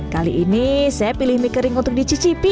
kali ini saya pilih mie kering untuk dicicipi